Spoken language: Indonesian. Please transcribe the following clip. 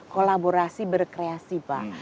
kolaborasi berkreasi pak